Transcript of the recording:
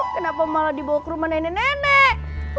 kenapa malah dibawa ke rumah nenek nenek